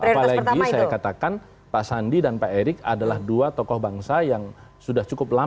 apalagi saya katakan pak sandi dan pak erik adalah dua tokoh bangsa yang sudah cukup lama